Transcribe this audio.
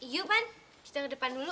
yuk pan kita ke depan dulu